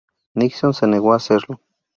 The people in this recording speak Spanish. Nixon se negó a hacerlo.